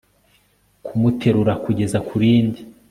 kumuterura kugeza kurindi